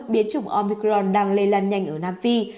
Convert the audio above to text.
biến chủng omicron đang lây lan nhanh ở nam phi